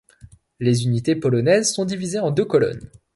Les unités polonaises sont divisées en deux colonnes.